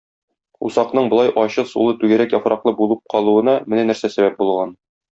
Усакның болай ачы сулы түгәрәк яфраклы булып калуына менә нәрсә сәбәп булган.